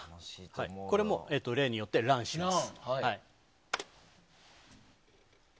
これも例によって「ＲＵＮ」します。